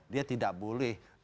dia tidak boleh